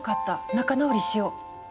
仲直りしよう」。